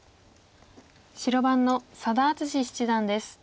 白番の佐田篤史七段です。